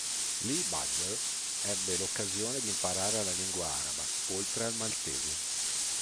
Lì Badger ebbe l'occasione di imparare la lingua araba, oltre al maltese.